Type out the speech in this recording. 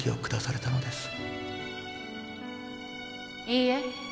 いいえ。